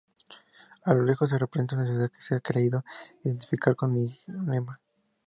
A lo lejos se representa una ciudad, que se ha creído identificar con Nimega.